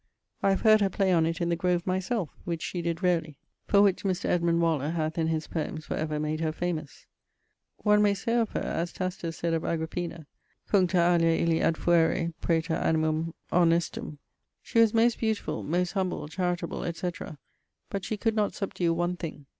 I have heard her play on it in the grove myselfe, which she did rarely; for which Mr. Edmund Waller hath in his Poems for ever made her famous. One may say of her as Tacitus sayd of Agrippina, Cuncta alia illi adfuere, praeter animum honestum. She was most beautifull, most humble, charitable, etc. but she could not subdue one thing.